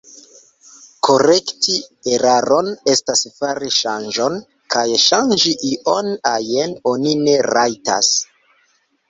Korekti eraron estas fari ŝanĝon, kaj ŝanĝi ion ajn oni ne rajtas.